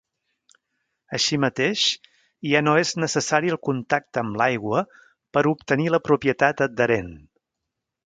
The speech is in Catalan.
Així mateix, ja no és necessari el contacte amb l'aigua per obtenir la propietat adherent.